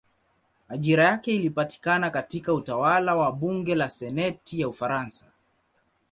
Ajira yake ilipatikana katika utawala wa bunge la senati ya Ufaransa.